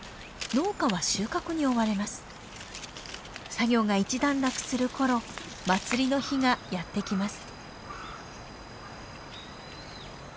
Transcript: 作業が一段落する頃祭りの日がやって来ます。